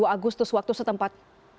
agustus waktu setempat